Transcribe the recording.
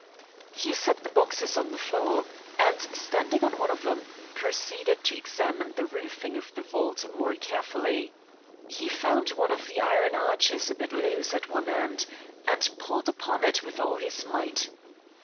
He set the boxes on the floor, and, standing on one of them, proceeded to examine the roofing of the vault more carefully. He found one of the iron arches a bit loose at one end, and pulled upon it with all his might.